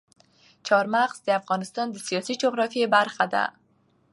چار مغز د افغانستان د سیاسي جغرافیه برخه ده.